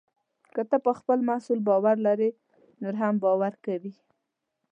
که ته پر خپل محصول باور لرې، نور هم باور کوي.